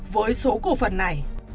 với số cổ phần này